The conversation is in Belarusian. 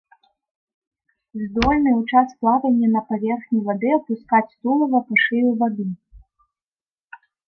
Здольныя ў час плавання на паверхні вады апускаць тулава па шыю ў ваду.